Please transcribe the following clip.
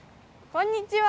こんにちは。